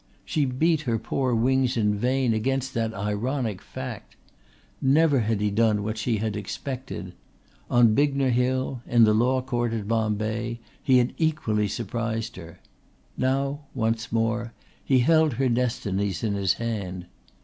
She beat her poor wings in vain against that ironic fact. Never had he done what she had expected. On Bignor Hill, in the Law Court at Bombay, he had equally surprised her. Now once more he held her destinies in his hand.